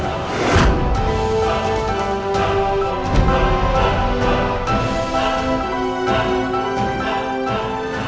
yang tau bereka ini aries mengapa mereka jadi arthur